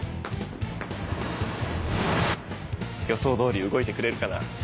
予想どおり動いてくれるかな？